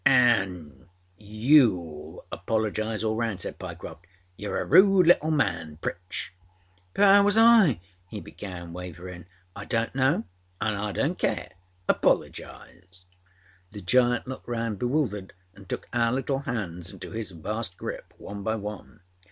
â âAnâ _you_âll apologise all round,â said Pyecroft. âYouâre a rude little man, Pritch.â âBut how was Iâââ he began, wavering. âI donât know anâ I donât care. Apologise!â The giant looked round bewildered and took our little hands into his vast grip, one by one.